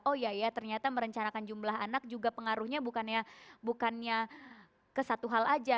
oh ya ya ternyata merencanakan jumlah anak juga pengaruhnya bukannya ke satu hal aja